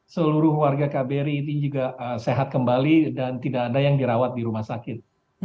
seluruh warga kbri ini juga sehat kembali dan tidak ada yang dirawat di rumah sakit